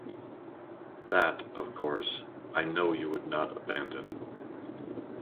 That, of course, I know you would not abandon.